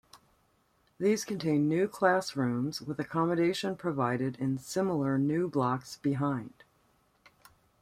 These contained new classrooms, with accommodation provided in similar new blocks behind.